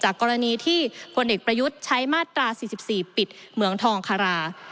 กรณีที่พลเอกประยุทธ์ใช้มาตรา๔๔ปิดเหมืองทองคารา